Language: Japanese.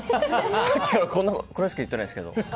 さっきからこれしか言ってないですけど。